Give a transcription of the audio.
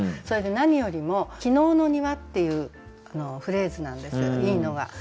それで何よりも「昨日の庭」っていうフレーズなんですいいのが。